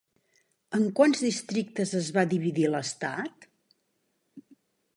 En quants districtes es va dividir l'estat?